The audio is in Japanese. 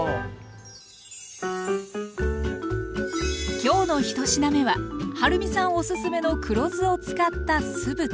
今日の１品目ははるみさんおすすめの黒酢を使った酢豚。